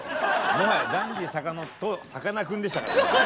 もはや「ダンディ坂野とさかなクンでした」だから。